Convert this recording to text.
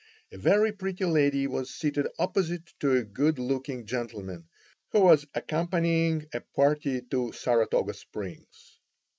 A very pretty lady was seated opposite to a good looking gentleman, who was accompanying a party to Saratoga Springs.